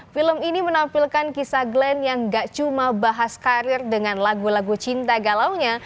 film ini menampilkan kisah glenn yang gak cuma bahas karir dengan lagu lagu cinta galaunya